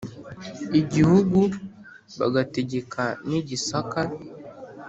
igihugu bategekaga ni gisaka